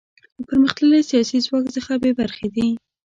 له پرمختللي سیاسي ځواک څخه بې برخې دي.